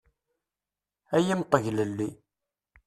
Ay imṭeglelli!